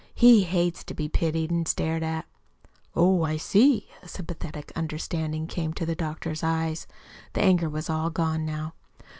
He hates to be pitied an' stared at." "Oh, I see." A sympathetic understanding came into the doctor's eyes. The anger was all gone now.